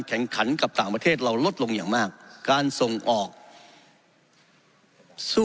แข่งขันกับต่างประเทศเราลดลงอย่างมากการส่งออกสู้